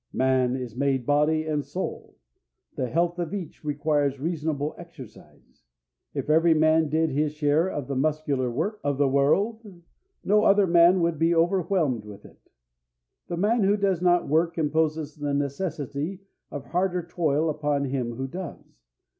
Man is made body and soul. The health of each requires reasonable exercise. If every man did his share of the muscular work of the world no other man would be overwhelmed with it. The man who does not work imposes the necessity of harder toil upon him who does.